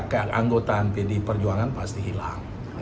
ke anggotaan pdi perjuangan pasti hilang